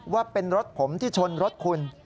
ว่าเป็นรถผมที่ชนรถคุณ